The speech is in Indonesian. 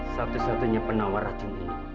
satu satunya penawar racun ini